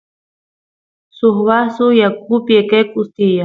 suk vasu yakupi eqequs tiyan